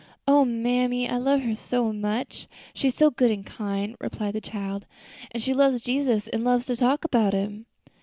"O mammy, I love her so much! she's so good and kind," replied the child, "and she loves Jesus, and loves to talk about Him."